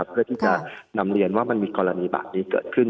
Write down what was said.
เพื่อที่จะนำเรียนว่ามันมีกรณีแบบนี้เกิดขึ้น